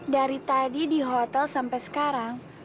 dari tadi di hotel sampai sekarang